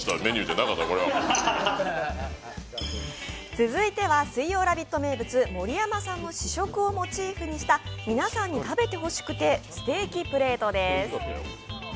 続いては、水曜「ラヴィット！」名物盛山さんの試食をモチーフにした皆さんに食べてほしくてステーキプレートです。